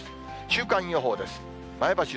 週間予報です。